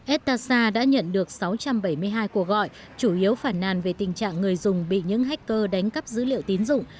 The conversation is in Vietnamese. etasa đã nhận được sáu trăm bảy mươi hai cuộc gọi chủ yếu phản nàn về tình trạng người dùng bị những hacker đánh cắp dữ liệu tín dụng